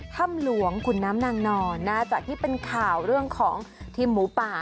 ถ้ำหลวงขุนน้ำนางนอนนะจากที่เป็นข่าวเรื่องของทีมหมูป่า